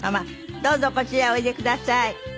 どうぞこちらへおいでください。